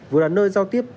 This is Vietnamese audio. vừa là nơi giao tiếp